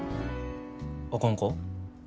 あかんか？